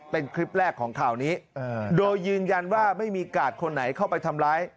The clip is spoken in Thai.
เป็นคลิปแรกของข่าวนี้โดยยืนยันว่าไม่มีกาดคนไหนเข้าไปทำร้าย